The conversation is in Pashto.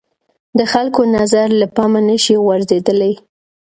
د خلکو نظر له پامه نه شي غورځېدلای